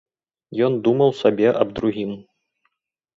Ён думаў сабе аб другім.